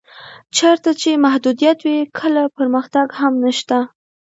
چېرته چې محدودیت وي کله پرمختګ هم نشته.